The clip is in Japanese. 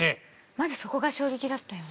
まずそこが衝撃だったよね。